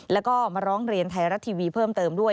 แล้วก็มาร้องเรียนไทยรัฐทีวีเพิ่มเติมด้วย